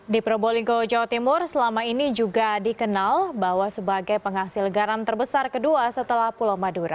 di probolinggo jawa timur selama ini juga dikenal bahwa sebagai penghasil garam terbesar kedua setelah pulau madura